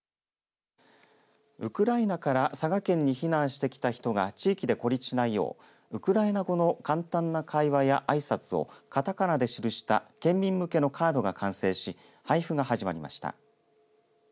ウクライナから佐賀県に避難してきた人が地域で孤立しないようウクライナ語の簡単な会話やあいさつをかたかなで記した県民向けのカードが完成し配布が始まりました。